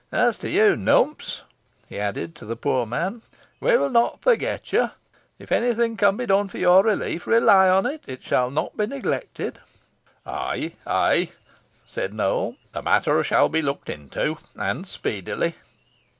As to you, Numps," he added, to the poor man, "we will not forget you. If any thing can be done for your relief, rely upon it, it shall not be neglected." "Ay, ay," said Nowell, "the matter shall be looked into and speedily."